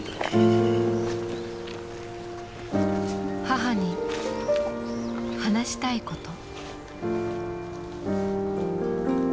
母に話したいこと。